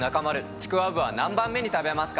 ちくわぶは何番目に食べますか？